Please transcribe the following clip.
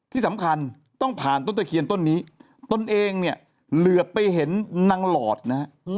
ที่สำคัญต้องผ่านต้นตะเคียนต้นนี้ตนเองเนี่ยเหลือไปเห็นนางหลอดนะฮะ